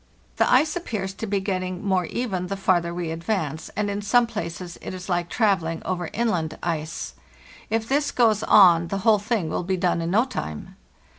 The ice appears to be getting more even the farther we advance, and in some places it is hke travelling over 'inland ice. _ If this goes on the whole thing will be done in no time."